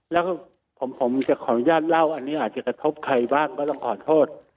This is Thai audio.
แล้วก็ผมจะขออนุญาตเล่าอันนี้อาจจะกระทบใครบ้างก็ต้องขอโทษ